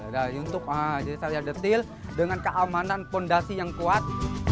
nah untuk jadi saya detail dengan keamanan fondasi yang kuat